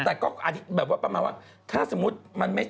แต่ก็แบบว่าถ้าสมมุติ